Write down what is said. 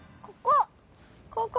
ここ！